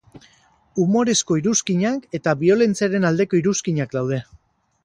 Humorezko iruzkinak eta biolentziaren aldeko iruzkinak daude.